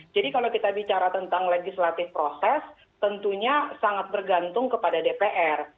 jadi kalau kita bicara tentang legislatif proses tentunya sangat bergantung kepada dpr